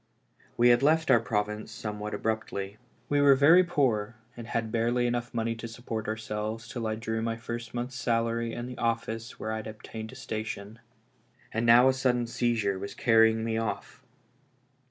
We had left our province some what abruptly; we were very poor, and had barely enough money to support ourselves till I drew my first month's salary in the office where I had obtained a situ ation. And now a sudden seizure was carrying me off!